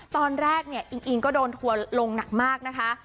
ตอนแรกก็โดนถั่วลงหนักมากนะคะ